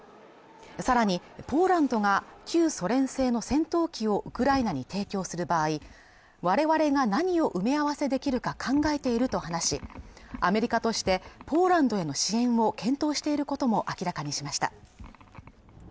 さらにポーランドが旧ソ連製の戦闘機をウクライナに提供する場合我々が何を埋め合わせできるか考えていると話しアメリカとしてポーランドへの支援も検討していることも明らかにしました